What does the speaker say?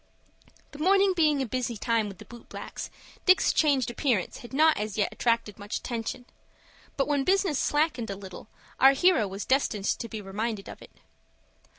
The morning being a busy time with the boot blacks, Dick's changed appearance had not as yet attracted much attention. But when business slackened a little, our hero was destined to be reminded of it.